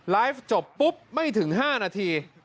ไลฟ์จบปุ๊บไม่ถึง๕นาที